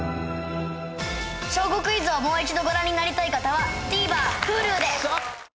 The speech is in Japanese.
『小５クイズ』をもう一度ご覧になりたい方はＴＶｅｒＨｕｌｕで。